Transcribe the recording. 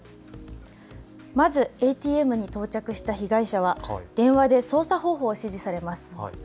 まずＡＴＭに到着した被害者は電話で操作方法を指示されます。